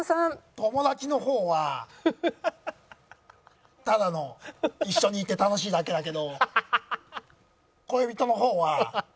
友達の方はただの一緒にいて楽しいだけだけど恋人の方は。